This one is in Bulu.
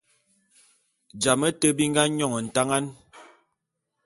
Jame te bi nga nyône ntangan.